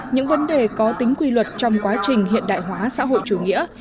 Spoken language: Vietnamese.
những vấn đề có tính quy luật trong quá trình hiện đại hóa xã hội chủ nghĩa